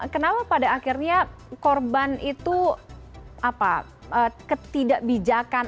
kenapa pada akhirnya korban itu ketidakbijakan